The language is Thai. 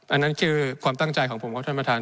อันนั้นคือความตั้งใจของผมครับท่านประธาน